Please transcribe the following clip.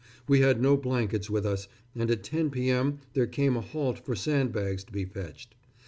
We had no blankets with us, and at 10 p.m. there came a halt for sandbags to be fetched.